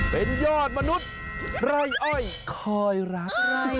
เป็นยอดมนุษย์ไร่อ้อยคอยรักไร่